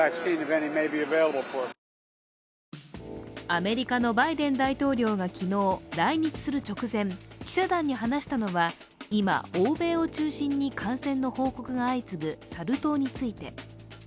アメリカのバイデン大統領が昨日来日する直前、記者団に話したのは今、欧米を中心に感染の報告が相次ぐサル痘について。